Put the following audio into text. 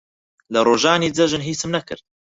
لە ڕۆژانی جەژن هیچم نەکرد.